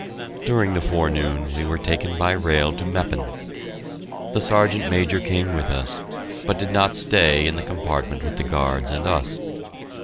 During the forenoon we were taken by rail to Meppen. The Sergeant Major came with us, but did not stay in the compartment with the guards and us.